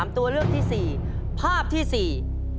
ตัวเลือกที่๔ภาพที่๔